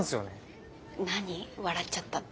笑っちゃったって。